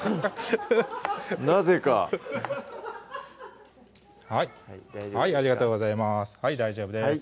なぜか大丈夫ですか？